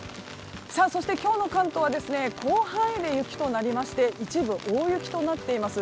そして今日の関東は広範囲で雪となりまして一部、大雪となっています。